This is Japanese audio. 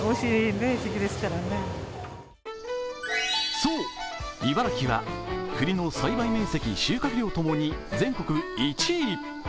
そう、茨城はくりの栽培面積・収穫量ともに全国１位。